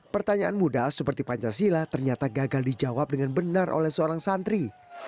pertanyaan muda seperti pancasila ternyata gagal dijawab dengan benar oleh seorang santri